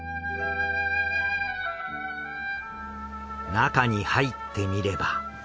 中に入ってみれば。